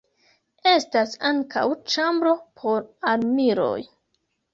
Estas ankaŭ ĉambro por armiloj.